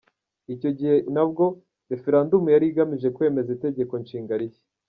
Icyo gihe na bwo Referendumu yari igamije kwemeza Itegeko Nshinga rishya.